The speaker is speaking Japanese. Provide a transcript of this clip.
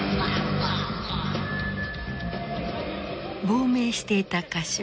亡命していた歌手